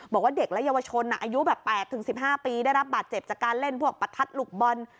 บอกว่าเด็กและเยาวชนอายุแบบ๘๑๕ปีได้รับบาดเจ็บจากการเล่นพวกประทัดหลุกบอล